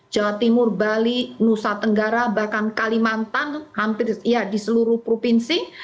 jawa timur bali nusa tenggara bahkan kalimantan hampir ya di seluruh provinsi